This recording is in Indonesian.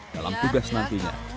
dalam tugas nantinya